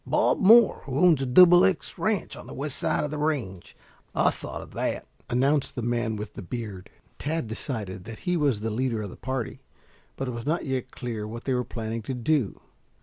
"Bob Moore, who owns the Double X Ranch on the west side of the range. I saw to that," announced the man with the beard. Tad decided that he was the leader of the party, but it was not yet clear what they were planning to do.